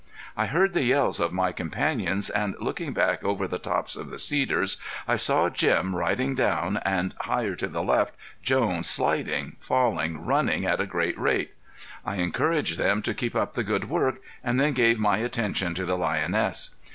I heard the yells of my companions and looking back over the tops of the cedars I saw Jim riding down and higher to the left Jones sliding, falling, running at a great rate. I encouraged them to keep up the good work, and then gave my attention to the lioness.